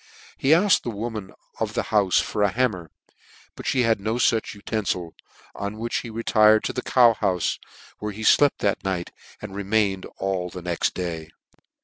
He afked the woman of the houfe. tor a hammer , but fhe had no fuch uten fil i on which he retired to the cow houfe, where he flept that night, and remained all the next day.